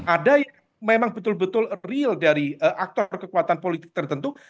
ada yang memang betul betul real dari aktor kekuatan politik tertentu